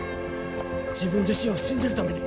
自分自身を信じるために。